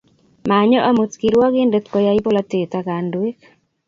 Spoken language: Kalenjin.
Manyo amut kirwangindet koyay polatet ak kandoik